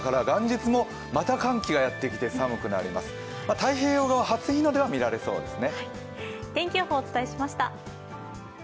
太平洋側は初日の出は見られそうですね。